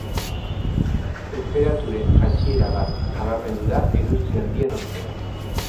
Tenperaturen jaitsiera bat nabarmendu da erupzio handien ostean.